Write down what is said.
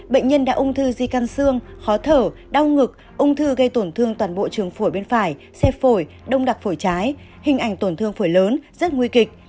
bệnh nhân đã ung thư di căn xương khó thở đau ngực ung thư gây tổn thương toàn bộ trường phổi bên phải xe phổi đông đặc phổi trái hình ảnh tổn thương phổi lớn rất nguy kịch